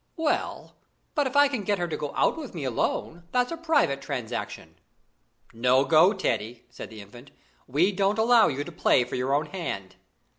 "Well, but if I can get her to go out with me alone, that's a private transaction." "No go, Teddy," said the Infant. "We don't allow you to play for your own hand."